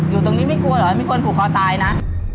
อยู่ตรงนี้ไม่ควรหรอไม่ควรผูกคอตายนะ